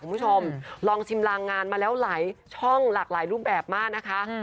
คุณผู้ชมลองชิมรางงานมาแล้วหลายช่องหลากหลายรูปแบบมากนะคะ